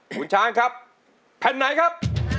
คุณช้างครับแผ่นไหนครับ